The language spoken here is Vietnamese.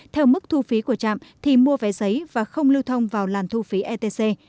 theo mức thu phí của trạm thì mua vé giấy và không lưu thông vào làn thu phí etc